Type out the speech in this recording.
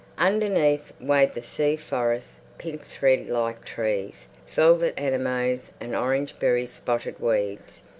Underneath waved the sea forest—pink thread like trees, velvet anemones, and orange berry spotted weeds.